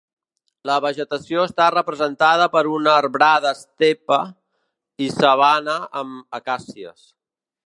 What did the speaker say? La vegetació està representada per una arbrada estepa i sabana amb acàcies.